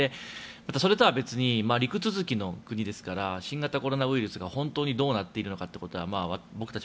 それとは別に陸続きの国ですから新型コロナウイルスが本当にどうなっているのかってことは僕たち